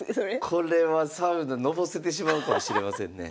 これはサウナのぼせてしまうかもしれませんね。